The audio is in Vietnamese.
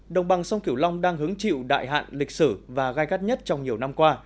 đồng bằng sông kiểu long đang hứng chịu đại hạn lịch sử và gai gắt nhất trong nhiều năm qua